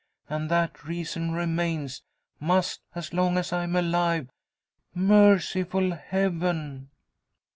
And that reason remains must, as long as I am alive! Merciful heaven!"